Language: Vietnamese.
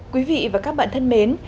quý vị và các bạn thân mến